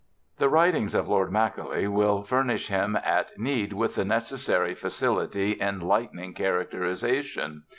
The writings of Lord Macaulay will furnish him at need with the necessary facility in lightning characterization.